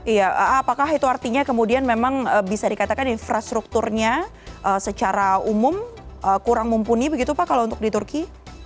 iya apakah itu artinya kemudian memang bisa dikatakan infrastrukturnya secara umum kurang mumpuni begitu pak kalau untuk di turki